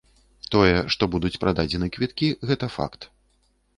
Тое, што будуць прададзены квіткі, гэта факт.